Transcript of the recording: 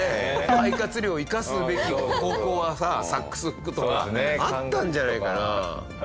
肺活量を生かすべき方向はさサックス吹くとかあったんじゃないかな。